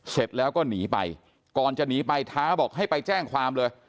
เสร็จแล้วก็หนีไปก่อนจะหนีไปท้าบอกให้ไปแจ้งความเลย